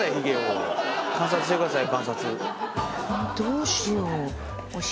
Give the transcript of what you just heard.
どうしよう？お尻？